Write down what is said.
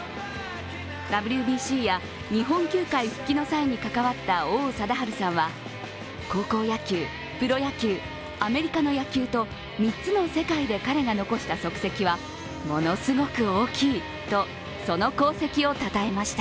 ＷＢＣや日本球界復帰の際に関わった王貞治さんは高校野球、プロ野球、アメリカの野球と３つの世界で彼が残した足跡はものすごく大きいと、その功績をたたえました。